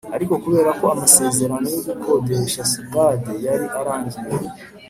ariko kubera ko amasezerano yo gukodesha sitade yari arangiye